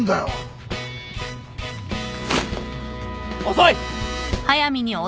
遅い！